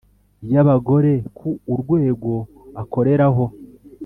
y Abagore ku urwego akoreraho